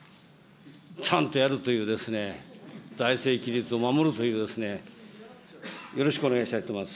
ちゃんとやるというですね、財政規律を守るというですね、よろしくお願いしたいと思います。